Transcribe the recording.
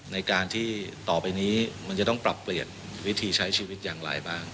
ในการที่ต่อไปนี้มันจะต้องปรับเปลี่ยนวิธีใช้ชีวิตอย่างไรบ้าง